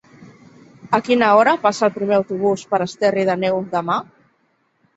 A quina hora passa el primer autobús per Esterri d'Àneu demà?